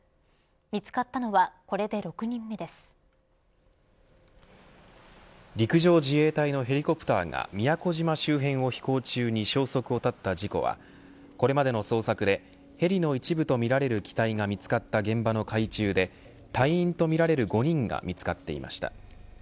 見つかったのは陸上自衛隊のヘリコプターが宮古島周辺を飛行中に消息を絶った事故はこれまでの捜索でヘリの一部とみられる機体が見つかった現場の海中で隊員とみられる５人が見つかっていました。